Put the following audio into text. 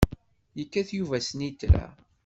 Yekkat Yuba snitra.